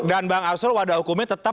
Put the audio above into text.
dan bang arsul wadah hukumnya tetap